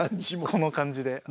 この感じで？